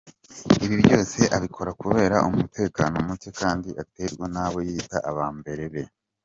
Ibi byose abikora kubera umutekano mucye kandi aterwa nabo yita abambari be.